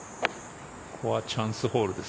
ここはチャンスホールです